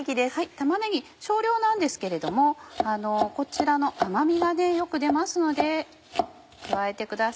玉ねぎ少量なんですけれどもこちらの甘みがよく出ますので加えてください。